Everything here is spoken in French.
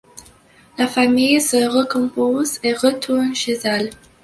La famille se recompose et retourne chez elle.